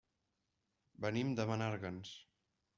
Venim de Menàrguens.